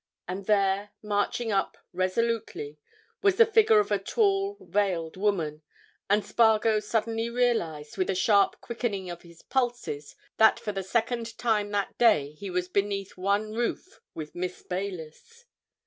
And there, marching up resolutely, was the figure of a tall, veiled woman, and Spargo suddenly realized, with a sharp quickening of his pulses, that for the second time that day he was beneath one roof with Miss Baylis.